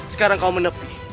sekarang kau menepi